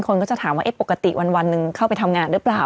คนก็จะถามว่าปกติวันหนึ่งเข้าไปทำงานหรือเปล่า